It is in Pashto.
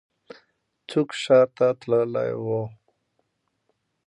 څوک ښار ته تللی و؟